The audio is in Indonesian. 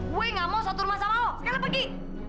gue gak mau satu rumah sama ho sekarang pergi